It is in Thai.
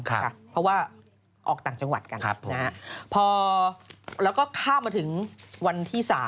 เพราะว่าออกต่างจังหวัดกันพอแล้วก็ข้ามมาถึงวันที่๓